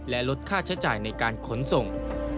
และลดค่าใช้จ่ายในการขนส่ง